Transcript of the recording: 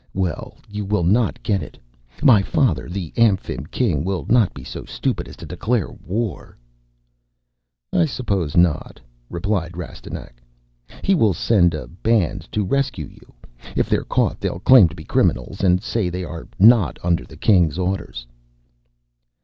Well, you will not get it. My father, the Amphib King, will not be so stupid as to declare a war." "I suppose not," replied Rastignac. "He will send a band to rescue you. If they're caught they'll claim to be criminals and say they are not under the King's orders."